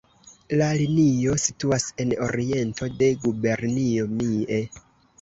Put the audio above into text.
La linio situas en oriento de Gubernio Mie.